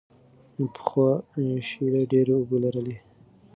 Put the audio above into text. پخوا شیره ډېره اوبه لرله.